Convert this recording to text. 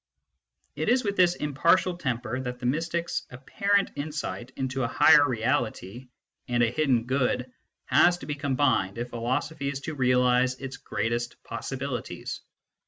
It is with this impartial temper that the mystic s apparent insight into a higher reality and a hidden good has to be combined if philosophy is to realise its greatest possibilities.